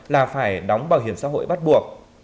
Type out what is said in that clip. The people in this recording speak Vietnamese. là phải đóng bảo hiểm xã hội bắt buộc